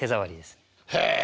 へえ。